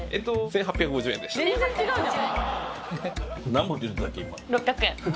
全然違うじゃん。